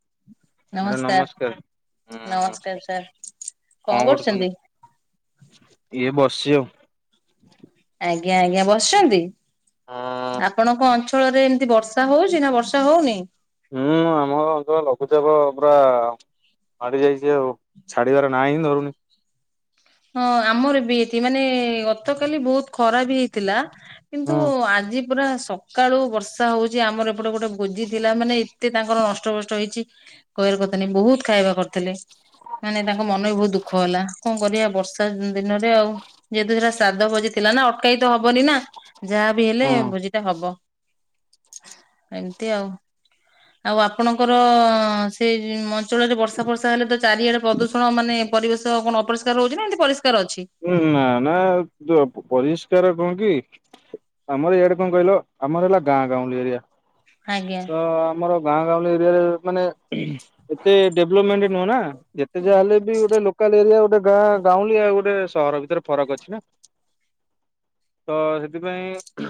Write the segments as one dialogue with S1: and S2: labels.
S1: [inaudible] Madam
S2: ନମସ୍କାର ନମସ୍କାର
S1: ନମସ୍କାର
S2: ସାର୍
S1: କଣ କରୁଛନ୍ତି? ଇଏ ବସିଛି ଆଉ।
S2: ଆଜ୍ଞା ଆଜ୍ଞା ବସିଛନ୍ତି?
S1: ହଁ।
S2: ଆପଣଙ୍କ ଅଞ୍ଚଳରେ ଏମିତି ବର୍ଷା ହଉଛି ନା ବର୍ଷା ହଉନି?
S1: ହୁଁ ଆମ ଅଞ୍ଚଳରେ ଲଘୁଚାପ ପୁରା ମାଡି ଯାଇଛି ଆଉ ଛାଡ଼ିବାର ନା ହିଁ ଧରୁନି।
S2: ହଁ ଆମର ବି ଏଠି ମାନେ ଗତ କଲି ବହୁତ ଖରା ବି ହେଇଥିଲା। କିନ୍ତୁ
S1: ହୁଁ
S2: ଆଜି ପୁରା ସକାଳୁ ବର୍ଷା ହଉଛି ଆମର ଏପଟେ ଗୋଟେ ଭୋଜିଥିଲା ମାନେ ଏତେ ତାଙ୍କର ନଷ୍ଟ ଭ୍ରଷ୍ଟ ହେଇଛି କହିବାର କଥା ନାହିଁ ବହୁତ ଖାଇବା କରିଥିଲେ। ମାନେ ତାଙ୍କ ମନ ବି ବହୁତ ଦୁଃଖ ହେଲା କଣ କରିବା। ବର୍ଷା ଦିନରେ ଆଉ ଯେହେତୁ ସେଟା ଶ୍ରାଦ୍ଧ ଭୋଜି ଥିଲା ନା ଅଟକାଇ ତ ହବନି ନା ଯାହା ବି ହେଲେ
S1: ହୁଁ।
S2: ଭୋଜିଟା ହବ। ଏମିତି ଆଉ। ଆଉ ଆପଣଙ୍କର ସେଇ ଅଞ୍ଚଳରେ ବର୍ଷା ବର୍ଷା ହେଲେ ତ ଚାରିଆଡ଼େ ପ୍ରଦୂଷଣ ମାନେ ପରିବେଶ କଣ ଅପରିଷ୍କାର ହଉଛି ନା ଏମିତି ପରିଷ୍କାର ଅଛି?
S1: ଉୁଁ ନା ନା ପରିଷ୍କାର କଣ କି ଆମର ଏଇ ଆଡ଼େ କଣ କହିଲ ଆମର ହେଲା ଗାଁ ଗାଉଁଲି ଏରିଆ
S2: ଆଜ୍ଞା।
S1: ତ ଆମର ଗାଁ ଗାଉଁଲି ଏରିଆରେ ମାନେ ଏତେ ଡେଭଲପମେଣ୍ଟ ନୁହଁ ନା ଯେତେ ଯାହା ହେଲେ ବି ଗୋଟେ ଲୋକାଲ ଏରିଆ ଗୋଟେ ଗାଁ ଗାଉଁଲି ଆଉ ଗୋଟେ ସହର ଭିତରେ ଫରକ ଅଛି ନା ତ ସେଥିପାଇଁ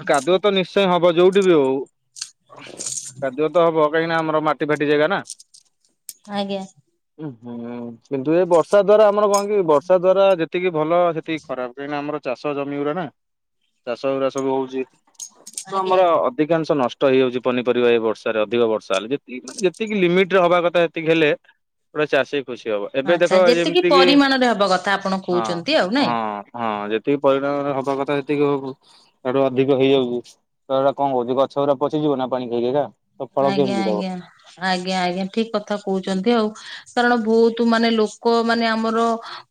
S1: କାଦୁଅ ତ ନିଶ୍ଚୟ ହବ ଯୋଉଠି ବି ହଉ କାଦୁଅ ତ ହବ। କାହିଁକିନା ଆମର ମାଟି ଫାଟି ଜାଗା ନା
S2: ଆଜ୍ଞା।
S1: ହୁଁ ହୁଁ କିନ୍ତୁ ଏଇ ବର୍ଷା ଦ୍ଵାରା ଆମର କଣ କି ବର୍ଷା ଦ୍ଵାରା ଯେ ଯେତିକି ଭଲ ସେତିକି ଖରାପ କାହିଁକିନା ଆମର ଚାଷ ଜମି ଗୁରା ନା ଚାଷଗୁୁଡ଼ା ସବୁ ହଉଛି। ତ ଆମର ଅଧିକାଂଶ ନଷ୍ଟ ହେଇଯାଉଛି ପନି ପରିବା ଏ ବର୍ଷାରେ ଅଧିକ ବର୍ଷା ହେଲା ଯେତିକି ମାନେ ଯେତିକି ଲିମିଟ ରେ ହବା କଥା ସେତିକି ହେଲେ ଗୋଟେ ଚାଷୀ ଖୁସି ହବ ଏବେ
S2: ଆଚ୍ଛା
S1: ଦେଖ
S2: ଯେତିକି
S1: ଯେମିତି କିି
S2: ପରିମାଣରେ ହବା କଥା ଆପଣ
S1: ହଁ
S2: କହୁଛନ୍ତି ଆଉ ନାଇଁ?
S1: ହଁ ହଁ ଯେତିକି ପରିଣାମରେ ହବା କଥା ସେତିକି ହଉ ଏଇଠୁ ଅଧିକ ହେଇଯାଉଛି ତ ହେରା କଣ କହୁଛି ଗଛ ଗୁରା ପଚିଯିବ ନା ପାଣି ଖାଇ ଖାଇକା।
S2: ଆଜ୍ଞା ଆଜ୍ଞା ଆଜ୍ଞା ଆଜ୍ଞା ଠିକ୍ କଥା କହୁଛନ୍ତି ଆଉ। କାରଣ ବହୁତ ମାନେ ଲୋକ ମାନେ ଆମର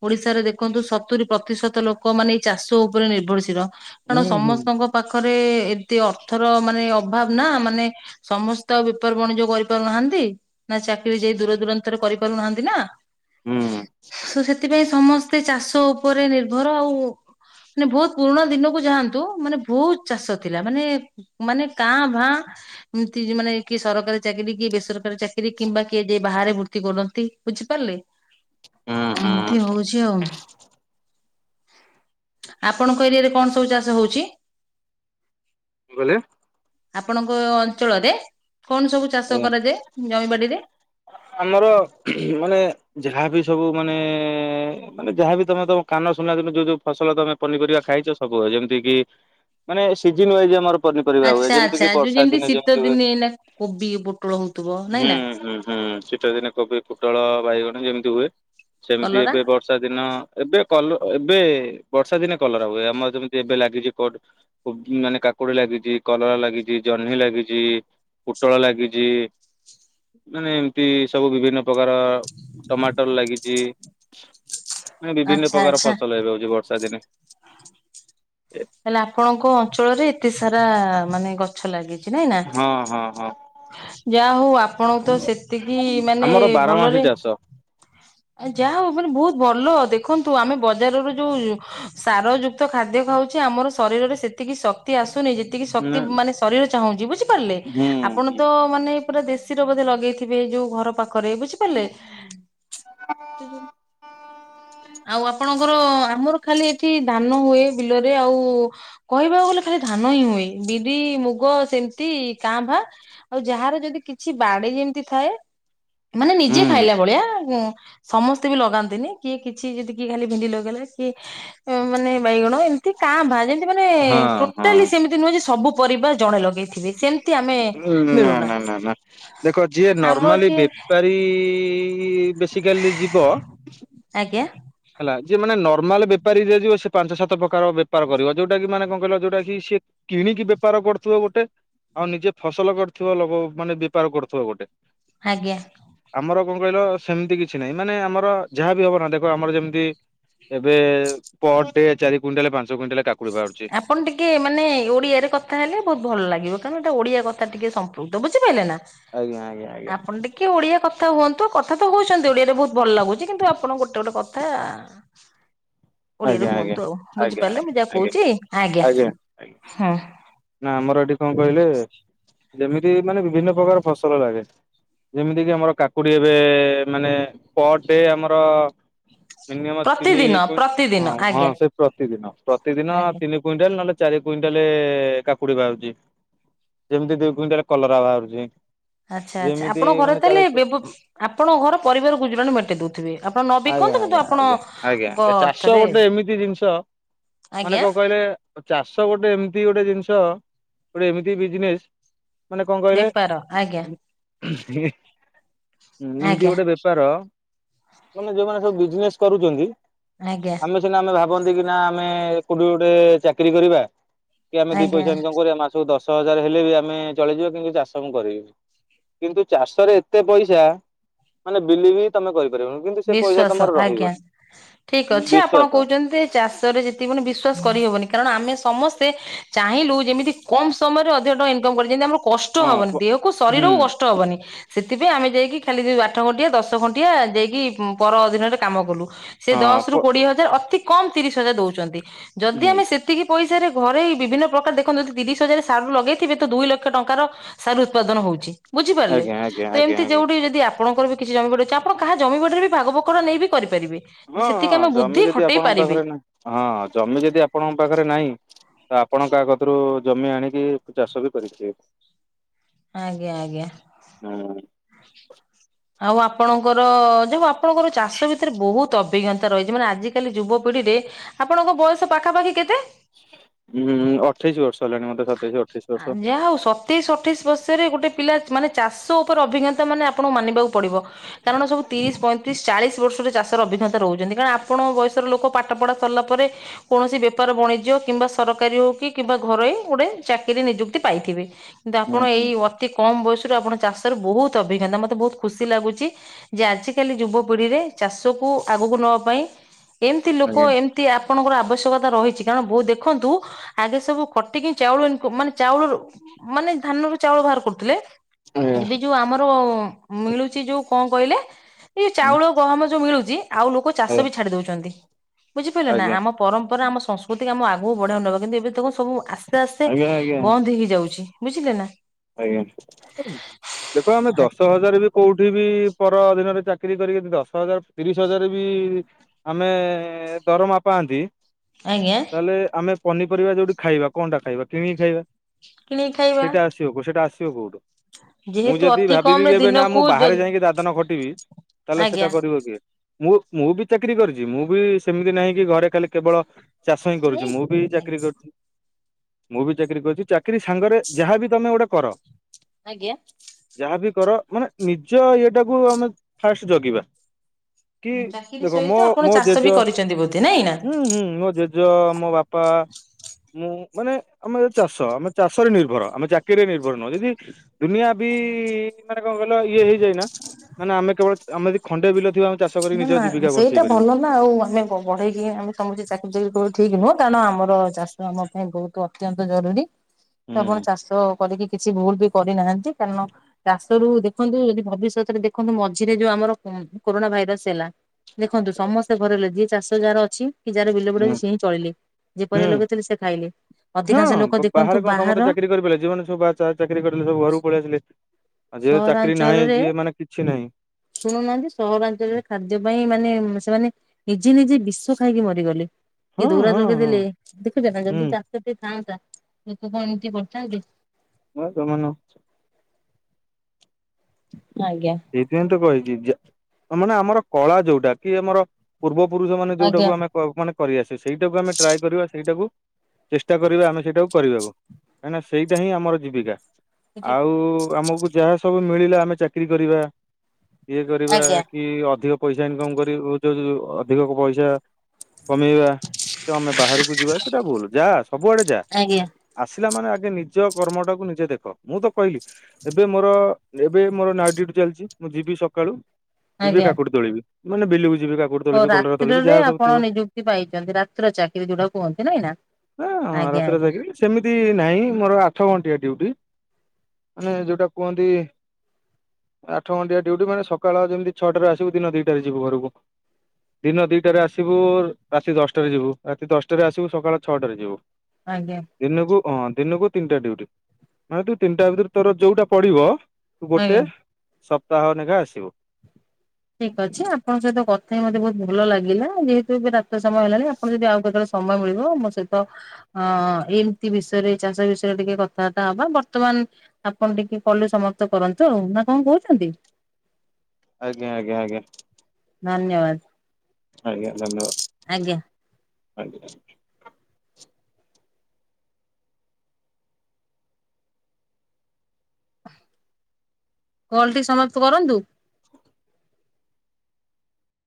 S2: ଓଡିଶାରେ ଦେଖନ୍ତୁ ସତୁରି ପ୍ରତିଶତ ଲୋକ ମାନେ ଏଇ ଚାଷ ଉପରେ ନିର୍ଭରଶୀଳ। କାରଣ
S1: ହୁଁ ହୁଁ
S2: ସମସ୍ତଙ୍କ ପାଖରେ ଏତେ ଅର୍ଥର ମାନେ ଅଭାବ ନା ମାନେ ସମସ୍ତେ ଆଉ ବେପାର ବଣିଜ୍ୟ କରିପାରୁନାହାନ୍ତି ନା ଚାକିରି ଯାଇ ଦୂର ଦୂୁରନ୍ତରେ କରିପାରୁନାହାନ୍ତି ନା।
S1: ହୁଁ।
S2: ତ ସେଥିପାଇଁ ସମସ୍ତେ ଚାଷ ଉପରେ ନିର୍ଭର ଆଉ ମାନେ ବହୁତ ପୁରୁଣା ଦିନକୁ ଯାଆନ୍ତୁ ମାନେ ବହୁତ ଚାଷ ଥିଲା ମାନେ ମାନେ କାଁ ଭାଁ ଏମିତି ମାନେ କିଏ ସରକାରୀ ଚାକିରୀ କିଏ ବେସରକାରୀ ଚାକିରୀ କିମ୍ବା କିଏ ଯାଏ ବାହାରେ ବୃତ୍ତି କରନ୍ତି ବୁଝିପାରିଲେ?
S1: [inaudible] କଣ
S2: ଏମତି ହଉଛି ଆଉ ଆପଣଙ୍କ ଏରିଆ ରେ କଣ ସବୁ ଚାଷ ହଉଛି?
S1: କଣ କହିଲେ?
S2: ଆପଣଙ୍କ ଅଞ୍ଚଳରେ କଣ ସବୁ ଚାଷ
S1: ଆଜ୍ଞା।
S2: କରାଯାଏ ଜମି ବାଡ଼ି ରେ?
S1: ଆମର ମାନେ ଯାହାବି ସବୁ ମାନେ ମାନେ ଯାହାବି ତମେ ତମ କାନ ସୁୁନା ଦୁ ଯୋଉ ଯୋଉ ଫସଲ ତମେ ପନିପରିବା ଖାଇଛ ସବୁ ଯେମିତି କି ମାନେ ସିଜିିନ ୱାଇଜ ଆମର। ପନିପରିବା ହୁଏ
S2: ଆଚ୍ଛା
S1: ଯେମିତି
S2: ଆଚ୍ଛା
S1: କିି
S2: ଯୋଉ
S1: ବର୍ଷା
S2: ଯେମିତି
S1: ଦିନେ
S2: ଶୀତ
S1: ଯେମତି ହୁଏ
S2: ଦିନେ ଏଇନା କୋବି ପୋଟଳ ହଉଥିବ ନାଇଁ
S1: ହୁଁ
S2: ନା
S1: ହୁଁ। ହୁଁ ଶୀତ ଦିନେ କୋବି ପୋଟଳ ବାଇଗଣ ଯେମିତି ହୁଏ ସେମିତି
S2: କଲରା
S1: ଏବେ ବ ର୍ଷା ଦିନ ଏବେ କଲ ଏବେ ବର୍ଷା ଦିନେ କଲର ହୁଏ ଆମର ଯେମିତି ଏବେ ଲାଗିଛି କୋଠ କୁକିଙ୍ଗି ମାନେ କାକୁଡି ଲାଗିଛି। କଲରା ଲାଗିଛି। ଜହ୍ନି ଲାଗିଛି। ପୋଟଳ ଲାଗିଛି। ମାନେ ଏମିତି ସବୁ ବିଭିନ୍ନ ପ୍ରକାର ଟମାଟର ଲାଗିଛି। ମାନେ ବିଭିନ୍ନ ପ୍ରକାର ଫସଲ ଏବେ ହେଉଛି ବର୍ଷା ଦିନେ।
S2: ହଁ। ହେଲେ ଆପଣଙ୍କ ଅଞ୍ଚଳରେ ଏତେ ସାରା ମାନେ ଗଛ ଲାଗିଛି। ନାଇଁ ନା।
S1: ହଁ ହଁ ହଁ
S2: ଯାହା ହଉ ଆପଣଙ୍କୁ ତ ସେତିକି ମାନେ
S1: ଆମର ବାରମାସୀ
S2: ଭଲରେ
S1: ଚାଷ।
S2: ଯାହା ହଉ ମାନେ ବହୁତ ଭଲ। ଦେଖନ୍ତୁ ଆମେ ବଜାରରୁ ଯୋଉ ସାର ଯୁକ୍ତ ଖାଦ୍ୟ ଖାଉ ଆମ ଶରୀରରେ ସେତିକି ଶକ୍ତି ଆସୁନି ଯେତିକି ଶକ୍ତି
S1: ନା
S2: ମାନେ ଶରୀର ଚାହୁଁଛି। ବୁଝି ପାରିଲେ
S1: ହୁଁ
S2: ଆପଣ
S1: ହୁଁ
S2: ତ ମାନେ ପୁରା ଦେଶୀର ବୋଧେ ଲଗେଇଥିବେ। ଯୋଉ ଘର ପାଖ କରିବେ ବୁଝିପାରିଲେ। ଆଉ ଆପଣ ଆମର ଆମର ଖାଲି ଏଠି ଧାନ ହୁଏ ବିଲରେ। ଆଉ କହିବାକୁ ଗଲେ ଖାଲି ଧାନ ହିଁ ହୁଁଏ। ବିରି ମୁଗ ସେମିତି କାଁ ଭାଁ। ଆଉ ଯାହାର ଯଦି କିଛି ବାଡି ଯେମିତି ଥାଏ। ମାନେ ନିଜେ
S1: ହୁଁ
S2: ଖାଇଲା ଭଳିଆ। ସମସ୍ତେ ବି ଲଗାନ୍ତିନି। କିଏ କିଛି ଯଦି କିଏ ଖାଲି ଭେଣ୍ଡି ଲଗେଇଲା। କିଏ ମାନେ ବାଇଗଣ ଏ ତି କାଁ ଭାଁ ଯେମତି ମାନେ
S1: ହଁ ହଁ
S2: ଟୋଟାଲି ସେମିତି ନୁହେଁ ଯେ ସବୁ ପରିବାର ଜଣେ ଲଗେଇଥିବେ। ସେମିତି ଆମେ
S1: ନା
S2: ମିଳୁନା
S1: ନା ନା ନା। ଦେଖ ଯିଏ
S2: ଆମର
S1: ନର୍ମାଲି
S2: ଟିକେ
S1: ବେପାରୀ ବେଶିକାଲି ଯିବ।
S2: ଆଜ୍ଞା।
S1: ହେଲା ଯିଏ ମାନେ ନର୍ମାଲ ବେପାରୀ ରେ ଯିବ। ସେ ପାଞ୍ଚ ସାତ ପ୍ରକାର ବେପାର କରିବ। ଯୋଉଟା କି ମାନେ କଣ କହିଲ ଯୋଉଟା କି ସିଏ କିଣିକି ବେପାର କରୁଥିବ ଗୋଟେ। ଆଉ ନିଜେ ଫସଲ କରିଥିବ ଲୋକ ମାନେ ବେପାର କରୁଥିବ ଗୋଟେ।
S2: ଆଜ୍ଞା।
S1: ଆମର କଣ କହିଲ ସେମିତି କିଛି ନାହିଁ। ମାନେ ଆମର ଯାହାବି ହବ ନା ଦେଖ ଆମର ଯେମ୍ ଏବେ ପର୍ ଡେ ଚାରି କୁଇଣ୍ଟାଲ ପାଞ୍ଚ କୁଇଣ୍ଟାଲ କା
S2: ଆପ୍ ଆପଣ ଟିକେ ମାନେ ଓଡିଆରେ କଥା ହେଲେ ବହୁତ ଭଲ ଲାଗିବ। କାରଣ ଓଡିଆ କଥା ଟିକେ ସମ୍ପୃକ୍ତ ବୁଝିପାରିଲେ ନା।
S1: ଆଜ୍ଞା ଆଜ୍ଞା ଆଜ୍ଞା।
S2: ଆପଣ ଟିକେ ଓଡିଆ କଥା କଥା ହୁଅନ୍ତୁ। କଥା ତ ହଉଛନ୍ତି ଓଡିଆରେ ବହୁତ ଭଲ ଲାଗୁଛି। କିନ୍ତୁ ଆପଣ ଗୋଟେ ଗୋଟେ କଥା
S1: [inaudible]
S2: ଓଡିଆରେ
S1: ଆଜ୍ଞା
S2: ହୁଅନ୍ତୁ ଆଉ।
S1: ଆଜ୍ଞା
S2: ବୁଝିପାରିଲେ ମୁଁ ଯାହା
S1: ଆଜ୍ଞା
S2: କହୁଛି। ଆଜ୍ଞା ହୁଁ।
S1: ନା ଆମର ଏଠି କଣ କହିଲେ ଯେମିତି ମାନେ ବିଭିନ୍ନ ପ୍ରକାର ଫସଲ ଲାଗେ। ଯେମିତି କିି ଆମର କାକୁଡି ଏବେ ମାନେ ପର୍ ଡେ ଆମର ମିନିମମ ତିନି
S2: ପ୍ରତିଦିନ
S1: କୁଇଁ
S2: ପ୍ରତିଦିନ
S1: ହଁ
S2: ଆଜ୍ଞା
S1: ସେ ପ୍ରତିଦିନ। ପ୍ରତିଦିନ
S2: ଆଜ୍ଞା
S1: ତିନି କୁଇଣ୍ଟାଲ ନହେଲେ ଚାରି କୁଇଣ୍ଟାଲେ କାକୁଡି ବାହାରୁଛି। ଯେମିତି ଦି କୁଇଣ୍ଟାଲ କଲରା ବାହାରୁଛି।
S2: ଆଚ୍ଛା ଆଚ୍ଛା
S1: ଯେମିତି
S2: ଆପଣ ଘରେ
S1: ମାନେ ଚାଳିଶ
S2: ତାହେଲେ ଆପଣଙ୍କ ଘର ପରିବାର ଗୁଜୁରାଣ ମେଣ୍ଟେଇ ଦଉଥିବେ। ଆପଣ ନ
S1: ଆଜ୍ଞା
S2: ବିକନ୍ତୁ କିନ୍ତୁ
S1: ଆଜ୍ଞା
S2: ଆପଣ
S1: ଆଜ୍ଞା ଆଜ୍ଞା
S2: ଙ୍କ
S1: ଆ ଚାଷ
S2: ଅର୍ଥରେ
S1: ଗୋଟେ ଏମିତି ଜିନିଷ ମାନେ
S2: ଆଜ୍ଞା
S1: କଣ କହିଲେ ଚାଷ ଗୋଟେ ଏମିତି ଗୋଟେ ଜିନିଷ। ଗୋଟେ ଏମିତି ବିଜିନେସ୍ ମାନେ କଣ କହିଲେ।
S2: ବେପାର ଆଜ୍ଞା
S1: ଏମତି
S2: ଆଜ୍ଞା
S1: ଗୋଟେ ବେ ପାର ମାନେ ଯୋଉମାନେ ସବୁ ବିଜିନେସ୍ କରୁଛନ୍ତି।
S2: ଆଜ୍ଞା
S1: ଆମେ ସିନା ଆମେ ଭା ଭନ୍ତି କି ନା ଆମେ କୋଉଠି ଗୋଟେ ଚାକିରି କରିବା। କି ଆମେ ଦି
S2: ଆଜ୍ଞା।
S1: ପଇସା ଇନକମ୍ ମାସକୁ ଦଶ ହଜାର ହେଲେ ବି ଆମେ ଚଳିଯିବା। କିନ୍ତୁ ଚାଷ ମୁଁ କରିବିନି। କିନ୍ତୁ ଚାଷରେ ଏତେ ପଇସା ମାନେ ବିଲିଭ୍ ବି ହିଁ ତମେ କରିପାରିବ।
S2: ବିଶ୍ଵାସ ଆଜ୍ଞା ଠିକ୍ ଅଛି। ଆପଣ
S1: ବିଶ୍ଵାସ
S2: କହୁଛନ୍ତି ଚାଷ୍ ଯେ ବିଶ୍ଵାସ କରିହବନି। କାରଣ ଆମେ ସମସ୍ତେ ଚାହିଁଲୁ। ଯେମିତି କମ୍ ସମୟରେ ଅଧିକ ଟଙ୍କା ଇନ୍ କମ୍ କଲି। ଯେମିତି ଆମର କଷ୍ଟ
S1: ହଁ
S2: ହବନି
S1: ପ
S2: ଦେହକୁ
S1: ହୁଁ
S2: ଶରୀରକୁ କଷ୍ଟ ହବନି। ସେଥିପାଇଁ ଆମେ ଯାଇକି ଖାଲି ଆଠ ଘଣ୍ଟିଆ ଦଶ ଖଣ୍ଟିଆ ଯାଇକି ପର ଅଧିନରେ କାମ କଲୁ। ସେ
S1: ହଁ
S2: ଦଶ୍ ରୁ
S1: ପ
S2: କୋଡିଏ ହଜାର ଅତି କମ୍ ତିରିଶ ହଜାର ଦୋଉଚନ୍ତି ଯଦି
S1: ହୁଁ
S2: ଆମେ ସେ ତିକି ପଇସାରେ ଘରେ ବିଭିନ୍ନ ପ୍ରକାର ଦେଖନ୍ତୁ ତିରିଶ ହଜାର ସାରୁ ଲଗେଇଥିବେ ତ ଦୁଇ ଲକ୍ଷ ଟଙ୍କାର ସାରୁ ଉତ୍ପାଦନ ହୋଉଚି। ବୁଝିପାରିଲେ?
S1: ଆଜ୍ଞା ଆଜ୍ଞା
S2: ତ
S1: ଆଜ୍ଞା
S2: ଏମତି
S1: ଆଜ୍ଞା।
S2: ଯେଉଁଠି ଯଦି ଆପଣଙ୍କର କି ଜମି ବାଡ଼ି ଅଛି ଆପଣ କାହା ଜମି ବାଡ଼ିରେ ବି ଭାଗ ବକର ନେଇ ବି କରିପାରିବେ
S1: ହଁ
S2: ଦି ସେତିକି
S1: ହଁ
S2: ଆମେ
S1: ଜମି
S2: ବୁଦ୍ଧି
S1: ଯଦି
S2: ଖଟେଇ
S1: ଆପଣଙ୍କ
S2: ପାରିବେ।
S1: ପାଖରେ ନାହିଁ ହଁ ଜମି ଯେଦି ଆପଣଙ୍କ ପାଖରେ ନାହିଁ ତ ଆପଣ କାହା କତୁରୁ ଜମି ଆଣିକି ଉ ଚାଷ ବି କରିପାରିଏ।
S2: ଆଜ୍ଞା ଆଜ୍ଞା।
S1: ହୁଁ।
S2: ଆଉ ଆପଣଙ୍କର ଯା ହଉ ଆପଣଙ୍କର ଚାଷ ଭିତରେ ବୋହୁତ ଅ ଭିଜ୍ଞତା ରହିଚି ମାନେ ଆଜିକାଲି ଯୁବପିଢ଼ିରେ, ଆପଣଙ୍କ ବୟସ ପାଖାପାଖି କେତେ?
S1: ଉଁ ଅଠେଇଶି ବର୍ଷ ହେଲାଣି ମତେ ସତେଇଶ ଅଠେଇଶି ବର୍ଷ।
S2: ତେଇଶ ଅଠେଇଶ ବର୍ଷରେ ଗୋଟେ ପିଲା ମାନେ ଚାଷ ଓପରେ ଅଭିଜ୍ଞତା ମାନେ ଆପଣଙ୍କୁ ମାନିବାକୁ ପଡ଼ିବ। କାରଣ ସବୁ ତିରିଶ ପଇଁତିରିଶ ଚାଳିଶ ବର୍ଷରେ ଚାଷର ଅଭିଜ୍ଞ ତା ରହୁଚନ୍ତି କାଣ ଆପଣଙ୍କ ବୟସର ଲୋକ ପାଠ ପଢ଼ା ସରିଲା ପରେ କୌଣସି ବେପାର ବଣିଜ୍ୟ କିମ୍ବା ସରକାରୀ ହଉ କି କିବା ଘରୋଇ। ଉଡ଼େ ଚାକିରି ନିଯୁକ୍ତି ପାଇଥିବେ କିନ୍ତୁ
S1: ହୁଁ
S2: ଆପଣ ଏଇ
S1: ହୁଁ
S2: ୱା ତି କମ୍ ବୟସୁରୁ ଆପଣ ଚାଷରେ ବୋହୁତ ଅଭିଜ୍ଞତା ମୋତେ ବୋହୁତ ଖୁସି ଲାଗୁଚି। ଯେ ଆଜିକାଲି ଯୁବପିଢ଼ିରେ ଚାଷକୁ ଆଗୁକୁ ନବା ପାଇଁ ଏମତି ଲୋକ
S1: ଆଜ୍ଞା।
S2: ଏମତି ଆପଣଙ୍କର ଆବଶ୍ୟକତା ରହିଚି କାରଣ ବୋହୁ ଦେଖନ୍ତୁ ଆଗେ ସବୁ ଖଟିିକି ଚାଉଳ ଇନକୁ ମାନେ ଚାଉଳରୁ ମାନେ ଧାନରୁ ଚାଉଳ ଭାର କରୁଥୁଲେ
S1: ଆଜ୍ଞା
S2: ଏବେ ଯୋଉ ଆମର ମିଳୁଚି ଯୋଉ କଁ କହିଲେ ଏ ଚାଉଳ ଗହମ ଯୋଉ ମିଳୁଚି ଆଉ ଲୋକ ଚାଷ
S1: ହୁଁ
S2: ବି ଛାଡ଼ି ଦୋଉଚନ୍ତି ବୁଝିପାଇଲେ ନାଁ
S1: ଆଜ୍ଞା
S2: ଆମ ପରମ୍ପରା ଆମ ସଂସ୍କୃତିକି ଆମୁ ଆଗୁକୁ ବଢ଼େଆଉ ନବା କିନ୍ତୁ ଏବେ ତାକୁ ସବୁ ଆସ୍ତେ ଆସ୍ ତେ
S1: ଆଜ୍ଞା ଆଜ୍ଞା
S2: ବନ୍ଦ ହେଇ ଯାଉଚି। ବୁଝିଲେ ନାଁ?
S1: ଆଜ୍ଞା ଦେଖ ଆମେ ଦଶ ହଜାର ବି କୋଉଠି ବି ପର ଅଧୀନରେ ଚାକିରି କରିକି ଯଦି ଦଶ ହଜାର ତିରିଶ ହଜାରେ ବି ଆମେ ଦରମା ପାଆନ୍ତି
S2: ଆଜ୍ଞା।
S1: ତାଲେ ଆମେ ପନିପରିବା ଯୋଉଠି ଖାଇବା କଁଟା ଖାଇବା କିଣିକି ଖାଇବା।
S2: କିଣିକି ଖାଇବା।
S1: ସିଅକୁ ସେଟା ଆସିବ କୋଉଠୁ? ମୁଁ
S2: ଯେହେତୁ
S1: ଯେଦି
S2: ଅତି କମ
S1: ଭାବିବି
S2: ରେ
S1: କି ଏବେ ନାଁ
S2: ଦିନକୁ
S1: ମୁଁ
S2: ଯ
S1: ବାହାରେ ଯାଇଁକି ଦାଦନ ଖଟିବି ତାହେଲେ ସେଟା
S2: ଆଜ୍ଞା
S1: କରିବ କିଏ? ମୁଁ ମୁଁ ବି ଚାକିରି କରିଚି। ମୁଁ ବି ସେମିତି ନାହିଁ କି ଘରେ ଖାଲି କେବଳ ଚାଷ ହିଁ କରୁଚି
S2: ନାଇଁ
S1: ମୁଁ ବି ଚାକିରି
S2: ଆଜ୍ଞା
S1: କରୁଚି ମୁଁ ବି ଚାକିରି କରଚି ଚାକିରି ସାଙ୍ଗରେ ଯାହା ବି ତମେ ଓଟେ କର।
S2: ଆଜ୍ଞା।
S1: ଯାହା ବି କର ମାନେ ନିଜ ଇଏଟାକୁ ଆମେ ଫାଷ୍ଟ୍ ଜଗିବା। କି
S2: ଚାକିରି
S1: ଦେଖ
S2: ସହିତ
S1: ମୋ
S2: ଆପଣ
S1: ମୋ
S2: ଚାଷ ବି
S1: ଜେଜ
S2: କରିଛନ୍ତି ବୋଧେ ନାଇଁ ନା?
S1: ହୁଁ ହୁଁ ମୋ ଜେ ଜ ମୋ ବାପା ମୁଁ ମାନେ ଆମେ ଚାଷ ଆମେ ଚାଷରେ ନିର୍ଭର ଆମେ ଚା କିରି ନିର୍ଭର ନୁହଁ ଯେଦି ଦୁନିଆ ବି ମାନେ କଣ କହିଲ ଇଏ ହେଇଯାଇ ନାଁ ମାନେ ଆମେ କେବଳ ଆମେ ଏଦି ଖଣ୍ଡେ ବିଲ ଥିବ ଆମେ ଚାଷ କରିକି
S2: ନାଁ
S1: ନିଜ
S2: ନାଁ
S1: ଜୀବିକା ବଞ୍ଚେଇ
S2: ସେଇଟା
S1: ପାରିବୁ।
S2: ଭଲ ନାଁ ଆଉ ଆମେ ପ ବଢ଼େଇକି ଆମେ ସମତେ ଚାକିରି ଚାକିରି କ ଠିକ୍ ନୁହଁ, କାରଣ ଆମର ଚାଷ ଆମ ପାଇଁ ବୋହୁତ ଅତ୍ୟନ୍ତ ଜରୁରୀ। ତ ଆପଣ
S1: ହୁଁ
S2: ଚାଷ କରିକି କିଛି ଭୁଲ୍ ବି କରିନାହାନ୍ତି କାରଣ ଚାଷରୁ ଦେଖନ୍ତୁ ଅଦି ଭବିଷ୍ୟତରେ ଦେଖନ୍ତୁ ମଝିରେ ଯୋଉ ଆମର କଁ କୋରୋନା ଭାଇରସ୍ ସେଲା ଦେଖନ୍ତୁ ସମସ୍ତେ ଘରେ ରଲେ ଯିଏ ଚାଷ ଯାହାର ଅଛି କି ଯାହାର ବିଲ ବୁଡ଼ି ଅଛି ସିଏ ହିଁ ଚଳିଲେ। ଯେ
S1: ହୁଁ
S2: ପରିବା ଲଗେଇଥିଲେ ସେ ଖାଇଲେ।
S1: ହଁ
S2: ଅଧିକାଂଶ ଲୋକ
S1: ବ
S2: ଦେଖନ୍ତୁ
S1: ବାହାରେ କଁ
S2: ବାହାର
S1: ସମସ୍ତେ ଚାକିରି କରିିପାଇଲେ ଯେ ମାନେ ସବୁ ବାହା ଚା ଚାକିରି କରିଥିଲେ ସବୁ ଘରକୁ ପଳିଆସିଲେ। ଆଉ ଯିଏ ଚାକିରି ନାହିଁ
S2: ସହରାଞ୍ଚଳରେ
S1: ଯିଏ ମାନେ କିଛି ନାହିଁ
S2: ଶୁଣୁନାହାନ୍ତି ସହରାଞ୍ଚଳରେ ଖାଦ୍ୟ ପାଇଁ ମାନେ ସେମାନେ ନିଜେ ନିଜେ ବିଷ ଖାଇକି ମରିଗଲେ,
S1: ହଁ
S2: କି ଦୌରା
S1: ହଁ ହଁ
S2: ଲଗେଇଦେଲେ ଦେଖିବେ ନା ଜଲଦି
S1: ହୁଁ
S2: ଚା ସେଠି ଥାଆନ୍ତା ଲୋକ କଣ ଏମିତି କରିଥାନ୍ତେ କି।
S1: ହଁ ତ [unintelligible]
S2: ଆଜ୍ଞା।
S1: ସେଇଥିପାଇଁ ତ କହିଲି, ଯେ ମାନେ ଆମର କଳା ଯୋଉଟା କି ଆମର ପୂର୍ବ ପୁରୁଷ ମାନେ
S2: ଆଜ୍ଞା
S1: ଯୋଉଟାକୁ ଆମେ ମାନେ କର କରିଆସେ ସେଇଟାକୁ ଆମେ ଟ୍ରାଏ କରିବା ସେଇଟାକୁ ଚେଷ୍ଟା କରିବା ଆମେ ସେଇଟାକୁ କରିବାକୁ, କାହିଁକିନା ସେଇଟା ହିଁ ଆମର ଜୀବିକା। ଆଉ ଆମକୁ ଯାହା ସବୁ ମିଳିଲା ଆମେ ଚାକିରୀ କରିବା। ଇଏ କରିବା,
S2: ଆଜ୍ଞା
S1: କି ଅଧିକ ପଇସା ଇନକମ କରି [unintelligible] ଯୋଉ ଅଧିକ ପଇସା କମେଇବା ତ ଆମେ ବାହାରକୁ ଯିବା ସେଟା ଭୁଲ, ଯା ସବୁଆଡେ ଯା।
S2: ଆଜ୍ଞା
S1: ଆସିଲା ମାନେ ଆଗେ ନିଜ କର୍ମଟାକୁ ନିଜେ ଦେଖ। ମୁଁ ତ କହିଲି ଏବେ ମୋର ଏବେ ମୋର ନଇଟ୍ ଚାଲିଚି ମୁଁ ଯିବି ସକାଳୁ ଯିବି
S2: ଆଜ୍ଞା।
S1: କାକୁଡି ତୋଳିବି, ମାନେ ବିଲକୁ ଯିବି କାକୁଡି
S2: ହଉ
S1: ତୋଳିବି କଲରା ତୋଳିବି
S2: ରାତ୍ରରେ
S1: ଯାହା ସବୁ
S2: ଆପଣ
S1: ଥିବ
S2: ନିଯୁକ୍ତି ପାଇଚନ୍ତି, ରାତ୍ର ଚାକିରି ଯୋଉଟାକୁ କୁହନ୍ତି ନାଇଁ ନା।
S1: ହଁ
S2: ଆଜ୍ଞା
S1: ରାତିରେ
S2: ଆଜ୍ଞା।
S1: ଯାଇକିରି ସେମିତି ନାହିଁ ମୋର ଆଠ ଘଣ୍ଟିଆ ଡ୍ୟୁଟି ମାନେ ଯେଉଁଟା କୁହନ୍ତି ଆଠ ଘଣ୍ଡିଆ ଡିଉଟି, ମାନେ ସକାଳ ଜେମିତି ଛଅଟାରେ ଆସିବୁ ଦିନ ଦିଟାରେ ଯିବୁ ଘରକୁ। ଦିନ ଦିଟାରେ ଆସିବୁ ରାତି ଦଶଟାରେ ଯିବୁ, ରାତି ଦଶଟାରେ ଆସିବୁ ସକାଳ ଛଅଟାରେ ଯିବୁ।
S2: ଆଜ୍ଞା।
S1: ଦିନକୁ, ହଁ ଦିନକୁ ତିନିଟା ଡୁଉଟି ମାନେ ତୁ ତିନିଟା ଭିତରେ ତୋର ଯୋଉଟା ପଡିବ ତୁ ଗୋଟେ
S2: ଆଜ୍ଞା।
S1: ସପ୍ତାହ ଲେଖା ଆସିବ।
S2: ଠିକ୍ ଅଛି ଆପଣଙ୍କ ସହିତ କଥାହେଇକି ମତେ ବୋହୁତ ଭଲ ଲାଗିଲା, ଯେହେତୁ ଏବେ ରାତ୍ର ସମୟ ହେଲାଣି ଆପଣ ଯଦି ଆଉ କେତେବେଳେ ସମୟ ମିଳିବ ମୋ ସହିତ ଅ ଏମିତି ବିଷୟରେ ଚାଷ ବିଷୟରେ ଟିକେ କଥାବାର୍ତ୍ତା ହବା ବର୍ତ୍ତମାନ ଆପଣ ଟିକେ କଲ ସମାପ୍ତ କରନ୍ତୁ ନା କଣ କହୁଛନ୍ତି?
S1: ଆଜ୍ଞା, ଆଜ୍ଞା, ଆଜ୍ଞା।
S2: ଧନ୍ୟବାଦ।
S1: ଆଜ୍ଞା ଧନ୍ୟବାଦ
S2: ଆଜ୍ଞା।
S1: ଆଜ୍ଞା।
S2: କଲଟି ସମାପ୍ତ କରନ୍ତୁ।
S1: [inaudible]